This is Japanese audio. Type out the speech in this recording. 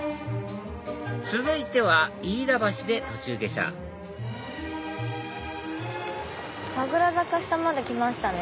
続いては飯田橋で途中下車神楽坂下まで来ましたね。